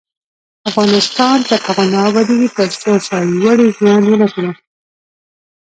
افغانستان تر هغو نه ابادیږي، ترڅو سرلوړي ژوند ونه کړو.